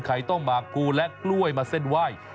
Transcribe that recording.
ต้มหมากภูและกล้วยมาเส้นไหว้